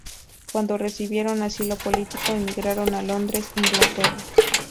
Cuando recibieron asilo político emigraron a Londres, Inglaterra.